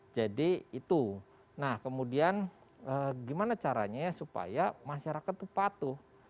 jadi itu nah kemudian gimana caranya supaya masyarakat itu patuh